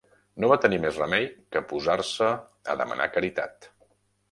No va tenir més remei que posar-se a demanar caritat.